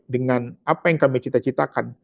dengan apa yang kami cita citakan